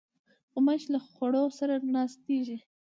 غوماشې له خوړو سره ناستېږي.